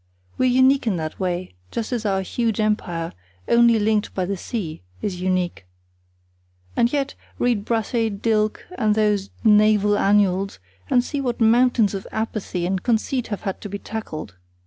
We're unique in that way, just as our huge empire, only linked by the sea, is unique. And yet, read Brassey, Dilke, and those Naval Annuals, and see what mountains of apathy and conceit have had to be tackled.